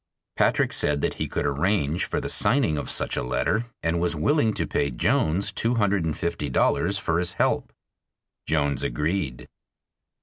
Patrick said that he could arrange for the signing of such a letter and was willing to pay Jones $250 for his help. Jones agreed.